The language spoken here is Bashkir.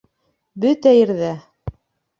Бөтә ерҙә!